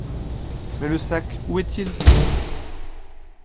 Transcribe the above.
Mais le sac, où est-il ?